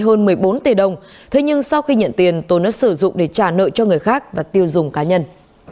hơn một mươi bốn tỷ đồng thế nhưng sau khi nhận tiền tồn đã sử dụng để trả nợ cho người khác và tiêu dùng cá nhân